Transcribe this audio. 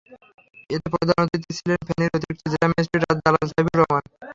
এতে প্রধান অতিথি ছিলেন ফেনীর অতিরিক্ত জেলা ম্যাজিস্ট্রেট জালাল সাইফুর রহমান।